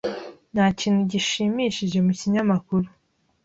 Nta kintu gishimishije mu kinyamakuru.